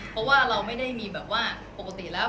เพราะว่าเราไม่ได้มีแบบว่าปกติแล้ว